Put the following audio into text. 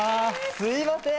すいません。